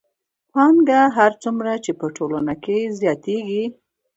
پانګه هر څومره چې په ټولنه کې زیاتېږي